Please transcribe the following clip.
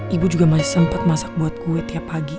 ibu juga masih sempet masak buat gue tiap pagi